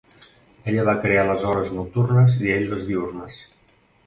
Ella va crear les hores nocturnes i ell les diürnes.